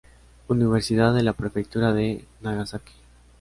Universidad de la prefectura de Nagasaki